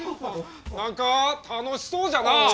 何か楽しそうじゃなぁ。